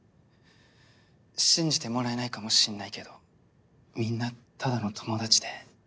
信じてもらえないかもしれないけどみんなただの友達で。